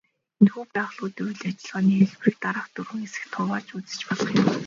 Энэхүү байгууллагуудын үйл ажиллагааны хэлбэрийг дараах дөрвөн хэсэгт хуваан үзэж болох юм.